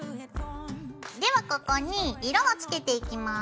ではここに色をつけていきます。